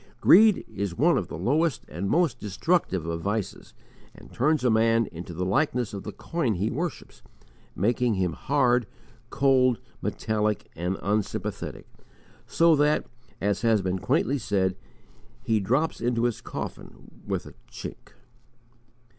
Greed is one of the lowest and most destructive of vices and turns a man into the likeness of the coin he worships, making him hard, cold, metallic, and unsympathetic, so that, as has been quaintly said, he drops into his coffin "with a chink."